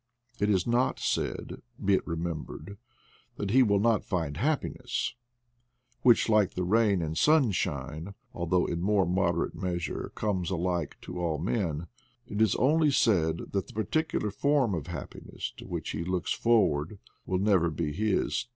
' It is not said, be it remembered, that he will not find happiness, which, like the rain and sun shine, although in more moderate measure, comes alike to all men ; it is only said that the particular form of happiness to which he looks forward will never be his.